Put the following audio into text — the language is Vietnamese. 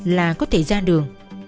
là có thể ra đường